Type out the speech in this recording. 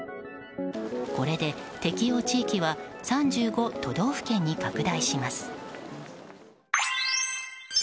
これで、適用地域は３５都道府県に拡大します。